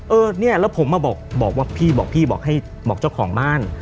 เออเนี่ยแล้วผมอ่ะบอกบอกพี่บอกเจ้าของบ้าน